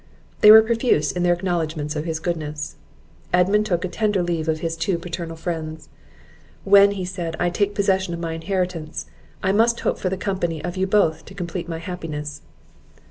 They were profuse in their acknowledgments of his goodness. Edmund took a tender leave of his two paternal friends. "When," said he, "I take possession of my inheritance, I must hope for the company of you both to complete my happiness."